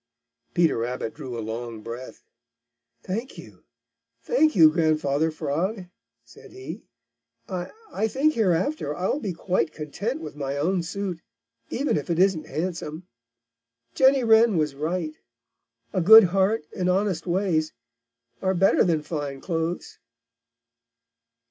Peter Rabbit drew a long breath. "Thank you, thank you, Grandfather Frog!" said he. "I I think hereafter I'll be quite content with my own suit, even if it isn't handsome. Jenny Wren was right. A good heart and honest ways are better than fine clothes."